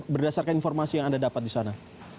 berdasarkan informasi yang anda dapat di sana